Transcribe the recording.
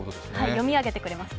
読み上げてくれます。